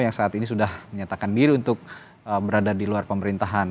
yang saat ini sudah menyatakan diri untuk berada di luar pemerintahan